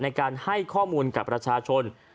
ในการให้ข้อมูลกับประชาชน